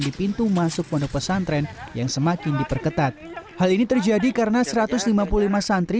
di pintu masuk pondok pesantren yang semakin diperketat hal ini terjadi karena satu ratus lima puluh lima santri